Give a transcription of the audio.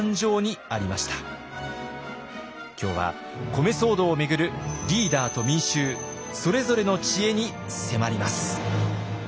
今日は米騒動を巡るリーダーと民衆それぞれの知恵に迫ります。